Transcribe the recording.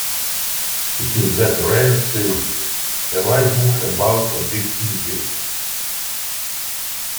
It is that rare thing: a light book about a big issue.